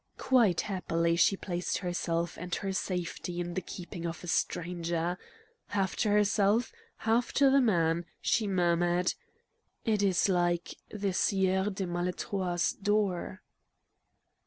Quite happily she placed herself and her safety in the keeping of a stranger. Half to herself, half to the man, she murmured: "It is like 'The Sieur de Maletroit's Door."'